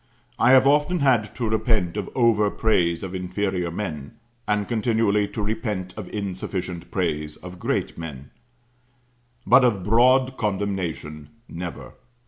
I have often had to repent of over praise of inferior men; and continually to repent of insufficient praise of great men; but of broad condemnation, never.